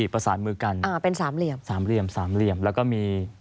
ประสานมือกันอ่าเป็นสามเหลี่ยมสามเหลี่ยมสามเหลี่ยมแล้วก็มี